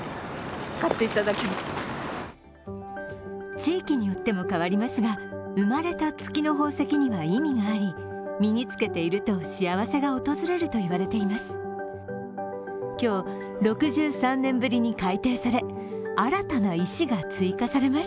地域によっても変わりますが生まれた月の宝石には意味があり身に着けていると幸せが訪れると言われています。